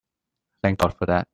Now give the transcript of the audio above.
Thank God for that!